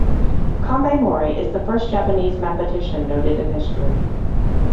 Kambei Mori is the first Japanese mathematician noted in history.